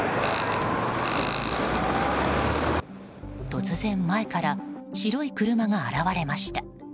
突然前から白い車が現れました。